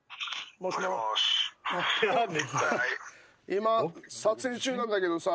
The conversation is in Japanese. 今撮影中なんだけどさ。